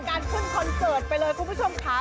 ขึ้นคอนเสิร์ตไปเลยคุณผู้ชมค่ะ